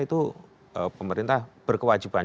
itu pemerintah berkewajiban